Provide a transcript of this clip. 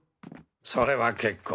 それは結構。